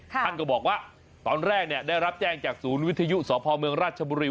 ท่านก็บอกว่าตอนแรกได้รับแจ้งจากศูนย์วิทยุสพเมืองราชบุรี